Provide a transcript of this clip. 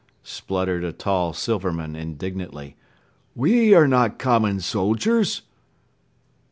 spluttered a tall Silverman indignantly. "We are not common soldiers."